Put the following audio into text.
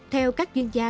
theo các chuyên gia